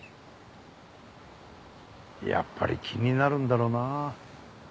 やっぱり気になるんだろうな